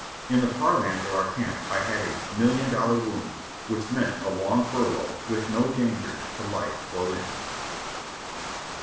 In the parlance of our camp, I had a "million dollar wound," which meant a long furlough with no dang er to life or limb.